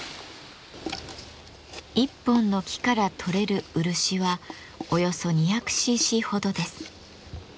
一本の木からとれる漆はおよそ２００ｃｃほどです。